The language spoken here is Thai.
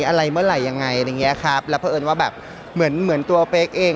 อะไรเมื่อไหร่ยังไงอะไรอย่างเงี้ยครับแล้วเพราะเอิญว่าแบบเหมือนเหมือนตัวเป๊กเอง